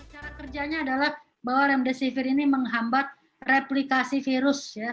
cara kerjanya adalah bahwa remdesivir ini menghambat replikasi virus ya